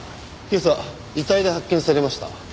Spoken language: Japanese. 今朝遺体で発見されました。